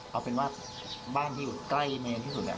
เอาเป็นว่าบ้านที่อยู่ใกล้เมนที่สุด